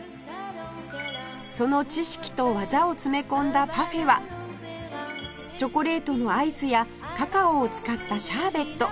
その知識と技を詰め込んだパフェはチョコレートのアイスやカカオを使ったシャーベット